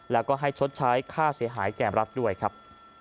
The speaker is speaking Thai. แล้วก็ให้ชดใช้ค่าเสียหายแก่รัฐด้วยครับ